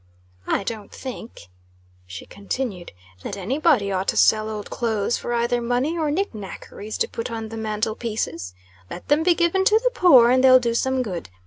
"I don't think," she continued, "that any body ought to sell old clothes for either money or nicknackeries to put on the mantle pieces. Let them be given to the poor, and they'll do some good.